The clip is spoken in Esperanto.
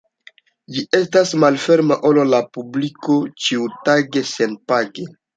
Ĝi estas malferma al la publiko ĉiutage senpage.